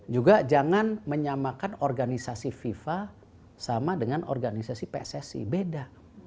juga jangan menyamakan organisasi fifa sama dengan organisasi pssi beda